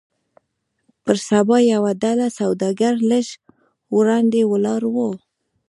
پر سبا يوه ډله سوداګر لږ وړاندې ولاړ وو.